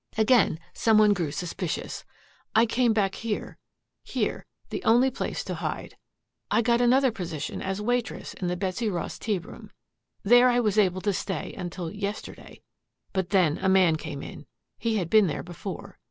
"Again some one grew suspicious. I came back here, here the only place to hide. I got another position as waitress in the Betsy Ross Tea Room. There I was able to stay until yesterday. But then a man came in. He had been there before.